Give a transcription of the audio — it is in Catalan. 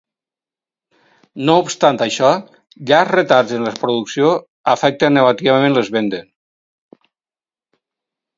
No obstant això, llargs retards en la producció afectar negativament les vendes.